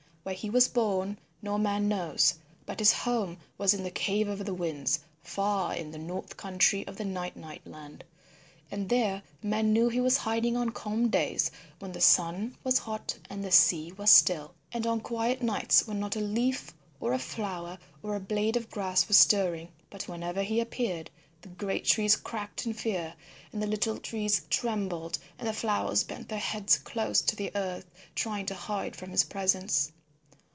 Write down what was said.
Where he was born no man knows, but his home was in the Cave of the Winds, far in the north country in the Night Night Land, and there men knew he was hiding on calm days when the sun was hot and the sea was still, and on quiet nights when not a leaf or a flower or a blade of grass was stirring. But whenever he appeared, the great trees cracked in fear and the little trees trembled and the flowers bent their heads close to the earth, trying to hide from his presence.